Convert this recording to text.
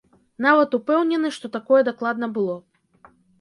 Нават упэўнены, што такое дакладна было.